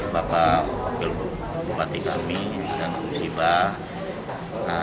bapak bupati kami saya mengusibah